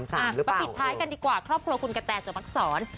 มาปิดท้ายกันดีกว่าครอบครัวคุณกะแตสุภักษร